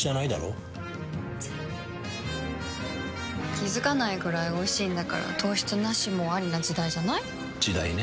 気付かないくらいおいしいんだから糖質ナシもアリな時代じゃない？時代ね。